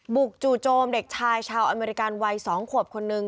จู่โจมเด็กชายชาวอเมริกันวัย๒ขวบคนนึง